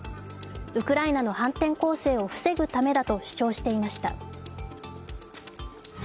ウクライナの反転攻勢を防ぐためだと主張していました。